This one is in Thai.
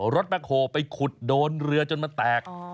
แบ็คโฮลไปขุดโดนเรือจนมันแตก